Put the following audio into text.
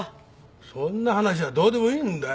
そんな話はどうでもいいんだよ！